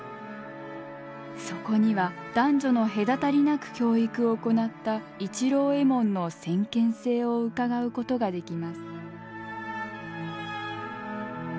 そこには男女の隔たりなく教育を行った市郎右衛門の先見性をうかがうことができます。